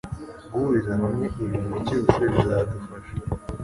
guhuriza hamwe ibintu cyose bizadufasha